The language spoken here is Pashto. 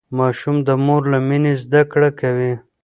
ماشوم د مور له مينې زده کړه کوي.